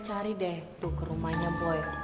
cari deh tuh ke rumahnya boy